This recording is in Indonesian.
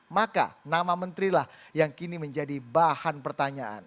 maka nama menterilah yang kini menjadi bahan pertanyaan